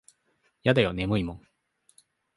やだよ眠いもん。